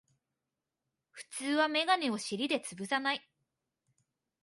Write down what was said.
普通はメガネを尻でつぶさない